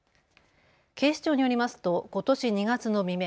警視庁によりますとことし２月の未明